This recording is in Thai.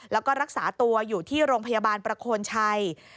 แล้วก็รักษาตัวอยู่ที่โรงพยาบาลประโคนชัย